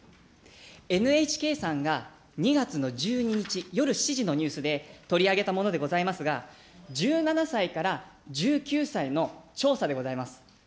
ＮＨＫさんが２月の１２日夜７時のニュースで取り上げたものでございますが、１７歳から１９歳の調査でございます。